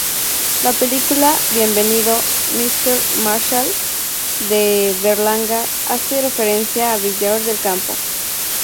La película "Bienvenido, Mister Marshall" de Berlanga hace referencia a Villar del Campo.